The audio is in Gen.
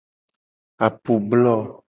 Apublo.